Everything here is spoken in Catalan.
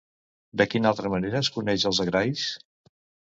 De quina altra manera es coneix als Agrais?